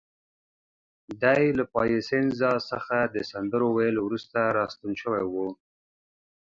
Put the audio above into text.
دی له پایسنزا څخه د سندرو ویلو وروسته راستون شوی و.